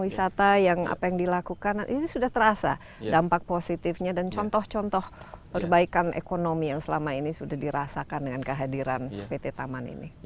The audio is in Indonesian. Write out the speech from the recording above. dan wisata yang apa yang dilakukan ini sudah terasa dampak positifnya dan contoh contoh perbaikan ekonomi yang selama ini sudah dirasakan dengan kehadiran pt taman ini